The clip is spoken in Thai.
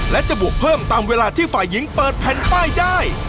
และจะบวกเพิ่มตามเวลาที่ฝ่ายหญิงเปิดแผ่นป้ายได้